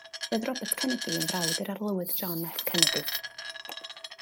Roedd Robert Kennedy yn frawd i'r Arlywydd John F. Kennedy.